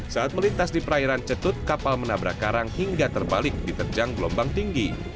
saat melintas di perairan cetut kapal menabrak karang hingga terbalik diterjang gelombang tinggi